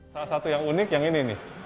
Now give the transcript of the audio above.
salah satu yang unik yang ini nih